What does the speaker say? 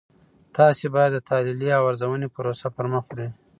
تاسې باید د تحلیلي او ارزونې پروسه پرمخ وړئ.